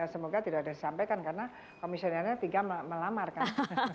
semoga tidak disampaikan karena komisionernya tinggal melamar kan